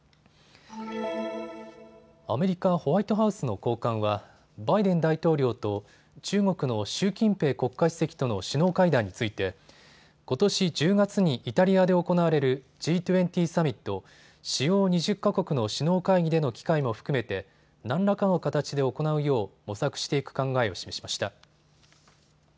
アメリカ・ホワイトハウスの高官はバイデン大統領と中国の習近平国家主席との首脳会談についてことし１０月にイタリアで行われるＧ２０サミット・主要２０か国の首脳会議での機会も含めて何らかの形で行うよう模索していく考えを示しました。